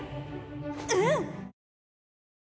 うん。